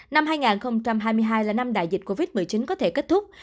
năm hai nghìn hai mươi hai là năm đại dịch covid một mươi chín có thể kết thúc